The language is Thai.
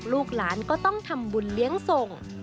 ลูกหลานก็ต้องทำบุญเลี้ยงส่ง